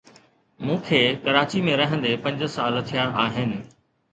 مون کي ڪراچي ۾ رھندي پنج سال ٿيا آھن.